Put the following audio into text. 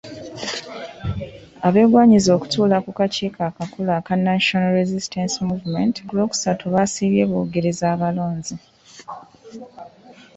Abeegwanyiza okutuula ku kakiiko akakulu aka National Resistance Movement ku Lwokusatu basiibye boogereza balonzi.